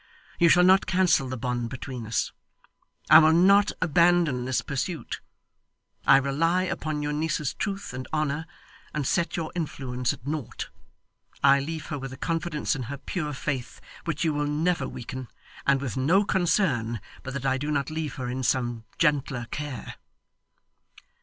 You shall not cancel the bond between us. I will not abandon this pursuit. I rely upon your niece's truth and honour, and set your influence at nought. I leave her with a confidence in her pure faith, which you will never weaken, and with no concern but that I do not leave her in some gentler care.